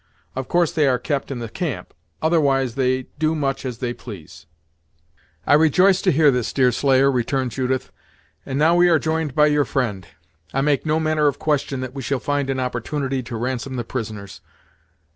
Of course they are kept in the camp; otherwise they do much as they please." "I rejoice to hear this, Deerslayer," returned Judith, "and now we are joined by your friend, I make no manner of question that we shall find an opportunity to ransom the prisoners.